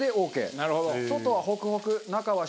なるほど。